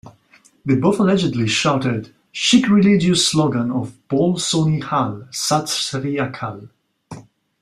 They both allegedly shouted Sikh religious slogan of Bole So Nihal, Sat Sri Akal!!